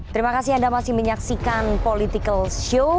terima kasih anda masih menyaksikan political show